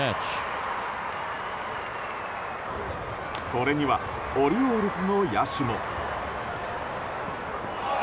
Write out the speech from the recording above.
これにはオリオールズの野手も。